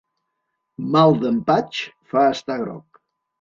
Mal d'empatx fa estar groc.